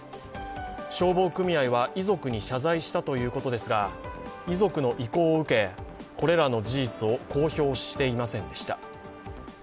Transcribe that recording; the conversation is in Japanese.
消防組合は遺族に謝罪したということですが、遺族の意向を受け、これらの事実を公表していませんでした。